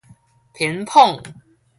ピンポン